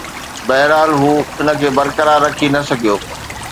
بهرحال، هو ان کي برقرار رکي نه سگهيو